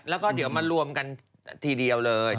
แล้วก็เดี๋ยวมารวมกันทีเดียวเลย